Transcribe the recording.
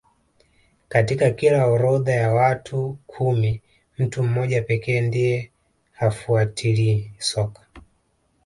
Katika kila orodha ya watu kumi mtu mmoja pekee ndiye hafuatilii soka